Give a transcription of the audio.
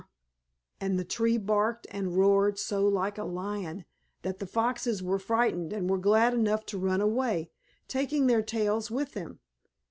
and the tree barked and roared so like a lion that the foxes were frightened and were glad enough to run away, taking their tails with them.